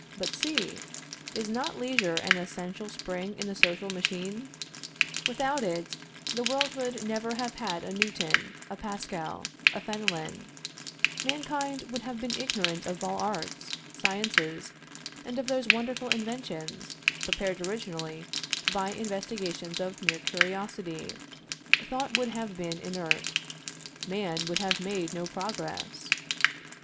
But see! Is not leisure an essential spring in the social machine? Without it, the world would never have had a Newton, a Pascal, a Fenelon; mankind would have been ignorant of all arts, sciences, and of those wonderful inventions, prepared originally by investigations of mere curiosity; thought would have been inert man would have made no progress.